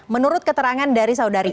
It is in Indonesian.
menurut keterangan dari saudari